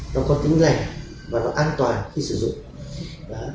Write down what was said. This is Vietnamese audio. đó nó có tính rành và nó an toàn khi sử dụng